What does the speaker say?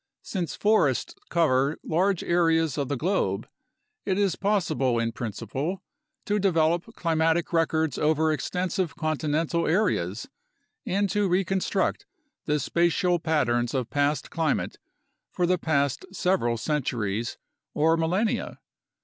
Since forests cover large areas of the globe, it is possible in principle to de velop climatic records over extensive continental areas and to recon struct the spatial patterns of past climate for the past several centuries or millenia.